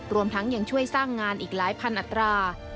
รวมทั้งยังช่วยสร้างงานอีกหลายพันอัตรา